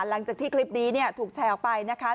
หลังจากที่คลิปนี้ถูกแชร์ออกไปนะคะ